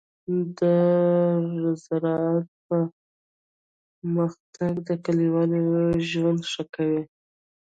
د زراعت پرمختګ د کليوالو ژوند ښه کوي.